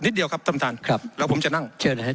นิดเดียวครับท่านประธานแล้วผมจะนั่ง